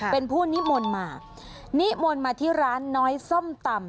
เป็นผู้นิมนต์มานิมนต์มาที่ร้านน้อยส้มตำ